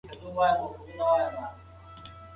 بد خواړه بدن کمزوری کوي.